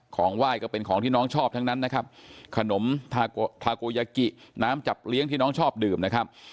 ของไหว้ก็เป็นของที่น้องชอบทั้งนั้นนะครับขนมทาโกยากิน้ำจับเลี้ยงที่น้องชอบดื่มนะครับ